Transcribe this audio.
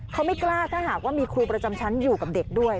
เขาไม่กล้าถ้าหากว่ามีครูประจำชั้นอยู่กับเด็กด้วย